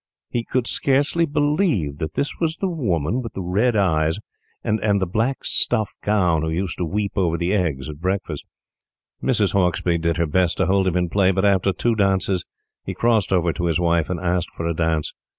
He could scarcely believe that this was the woman with the red eyes and the black stuff gown who used to weep over the eggs at breakfast. Mrs. Hauksbee did her best to hold him in play, but, after two dances, he crossed over to his wife and asked for a dance.